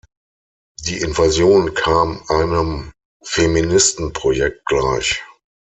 Die Invasion kam einem Feministenprojekt gleich.